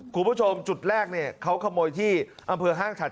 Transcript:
ขิวผู้ชมจุดแรกเนี่ยเขาขโมยที่อำพลาฮ่างชาติ